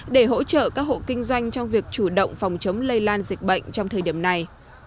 để hỗ trợ các hộ kinh doanh trong việc chủ động phòng chống lây lan dịch bệnh trong thời điểm này